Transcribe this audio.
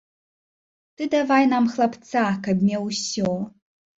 Ты давай нам хлапца, каб меў усё.